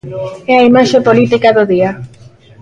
É a imaxe política do día.